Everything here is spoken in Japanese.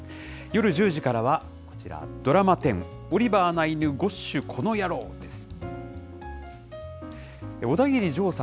夜１０時からはこちら、ドラマ１０、オリバーな犬、このヤロウです。